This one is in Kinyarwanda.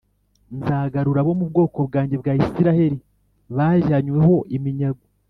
Nzagarura abo mu bwoko bwanjye bwa Isirayeli bajyanywe ho iminyago